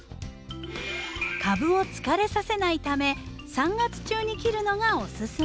株を疲れさせないため３月中に切るのがおすすめ。